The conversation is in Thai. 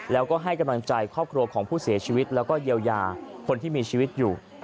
แล้วก็ให้กำลังใจครอบครัวของผู้เสียชีวิตแล้วก็เยียวยาคนที่มีชีวิตอยู่